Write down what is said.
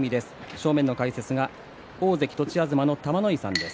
正面の解説は元大関栃東の玉ノ井さんです。